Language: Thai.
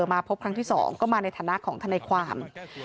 มาพบครั้งที่๒ก็มาในฐานะของทนายความ